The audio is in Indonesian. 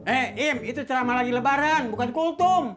eh im itu ceramah lagi lebaran bukan kultum